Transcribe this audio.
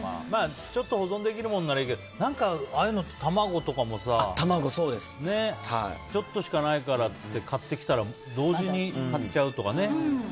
ちょっと保存できるものならいいけどああいうのって卵とかもさちょっとしかないからって言って買ってきたら同時に買っちゃうとかね。